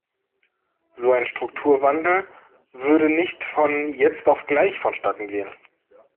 So ein Strukturwandel würde nicht von jetzt auf gleich vonstatten gehen.